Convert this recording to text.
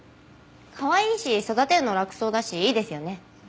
かわいいし育てるの楽そうだしいいですよね。